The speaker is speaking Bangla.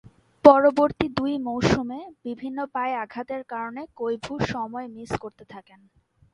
পরবর্তী দুই মৌসুমে, বিভিন্ন পায়ে আঘাতের কারণে কোইভু সময় মিস করতে থাকেন।